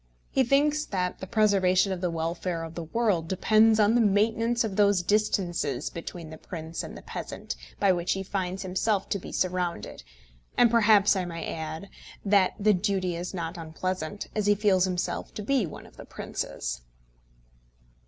He thinks that the preservation of the welfare of the world depends on the maintenance of those distances between the prince and the peasant by which he finds himself to be surrounded; and perhaps, I may add, that the duty is not unpleasant, as he feels himself to be one of the princes.